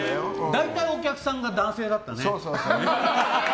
大体お客さんが男性だったね。